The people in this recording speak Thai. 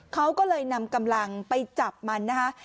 เขาก็เลยนำกำลังไปจับมันนะคะ